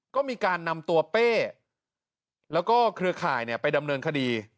ก็มีการนำตัวเป้แล้วก็เครือข่ายไปดำเนินคดี